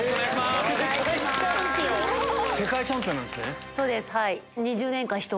すごい！世界チャンピオンなんですね！